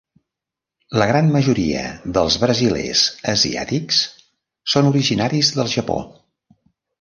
La gran majoria dels brasilers asiàtics són originaris del Japó.